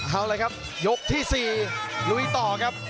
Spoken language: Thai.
เอาละครับยกที่๔ลุยต่อครับ